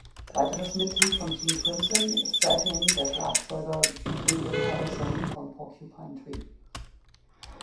Weiteres Mitglied von King Crimson ist seitdem der Schlagzeuger Gavin Harrison von Porcupine Tree.